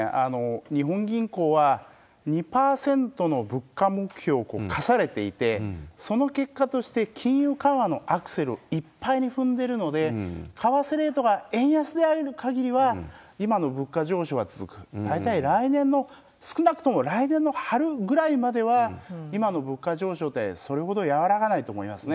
日本銀行は２％の物価目標を課されていて、その結果として金融緩和のアクセルをいっぱいに踏んでるので、為替レートが円安であるかぎりは、今の物価上昇は続く。大体来年の、少なくとも来年の春ぐらいまでは、今の物価上昇ってそれほど和らがないと思いますね。